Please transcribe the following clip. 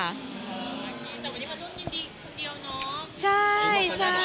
แต่วันนี้มาร่วมยินดีคนเดียวเนาะ